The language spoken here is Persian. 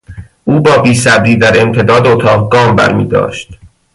او با بیصبری در امتداد اتاق گام برمیداشت.